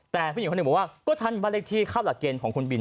แต่ผู้หญิงคนนี้บอกว่าก็ฉันเป็นบ้านเล็กที่ครับหลักเกณฑ์ของคุณบิน